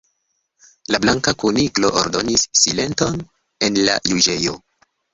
La Blanka Kuniklo ordonis: "Silenton en la juĝejo."